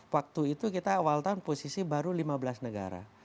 waktu itu kita awal tahun posisi baru lima belas negara